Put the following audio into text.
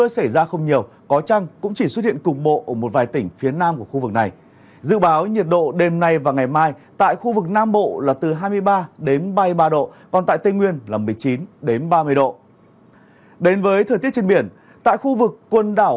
xin chào và hẹn gặp lại trong các video tiếp theo